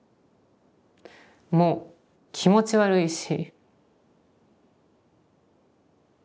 もう気持ち悪いし。